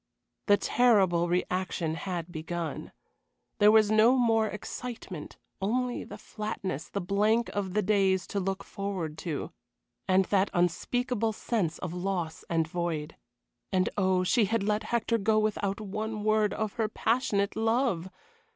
The terrible reaction had begun. There was no more excitement, only the flatness, the blank of the days to look forward to, and that unspeakable sense of loss and void. And oh, she had let Hector go without one word of her passionate love!